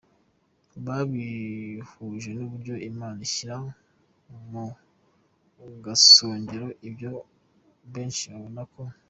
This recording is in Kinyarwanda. babihuje n’uburyo Imana ishyira ku gasongero ibyo benshi babona ko